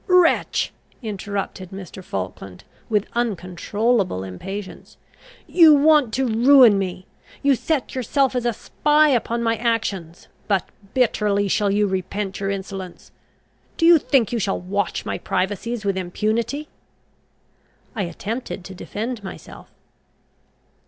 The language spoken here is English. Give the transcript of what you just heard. "Wretch!" interrupted Mr. Falkland, with uncontrollable impatience, "you want to ruin me. You set yourself as a spy upon my actions; but bitterly shall you repent your insolence. Do you think you shall watch my privacies with impunity?" I attempted to defend myself.